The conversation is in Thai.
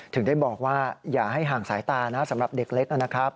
ถึงได้บอกว่าอย่าให้ห่างสายตานะสำหรับเด็กเล็กนะครับ